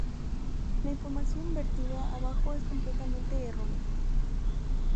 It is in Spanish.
La información vertida abajo es completamente errónea.